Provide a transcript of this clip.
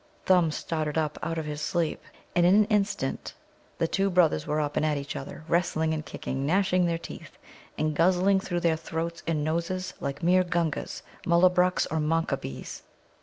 Thumb started up out of his sleep, and in an instant the two brothers were up and at each other, wrestling and kicking, gnashing their teeth, and guzzling through their throats and noses like mere Gungas, Mullabruks, or Manquabees.